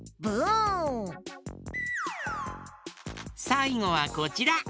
さいごはこちら。